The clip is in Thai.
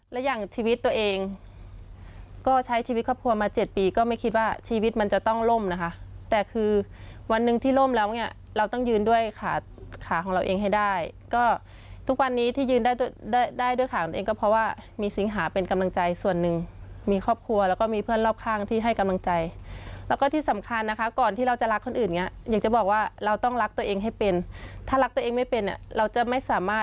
และอย่างชีวิตตัวเองก็ใช้ชีวิตครอบครัวมา๗ปีก็ไม่คิดว่าชีวิตมันจะต้องล่มนะคะแต่คือวันหนึ่งที่ล่มแล้วเนี่ยเราต้องยืนด้วยขาของเราเองให้ได้ก็ทุกวันนี้ที่ยืนได้ด้วยขาของตัวเองก็เพราะว่ามีสิงหาเป็นกำลังใจส่วนหนึ่งมีครอบครัวแล้วก็มีเพื่อนรอบข้างที่ให้กำลังใจแล้วก็ที่สำคัญนะคะก่อนที่เราจะร